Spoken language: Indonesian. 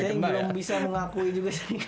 saya belum bisa mengakui juga